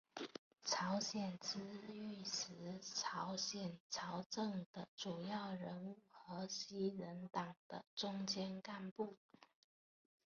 朝鲜之役时朝鲜朝政的主要人物和西人党的中坚干部。